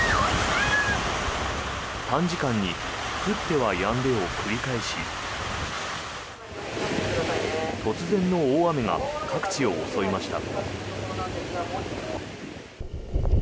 短時間に降ってはやんでを繰り返し突然の大雨が各地を襲いました。